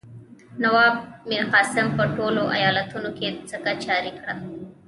نواب میرقاسم په ټولو ایالتونو کې سکه جاري کړه.